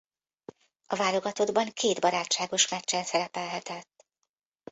A válogatottban két barátságos meccsen szerepelhetett.